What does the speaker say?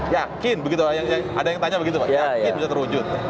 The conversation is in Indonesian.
yakin begitu ada yang tanya begitu pak